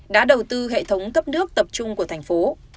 đã đầu tư hệ thống cấp nước tập trung của thành phố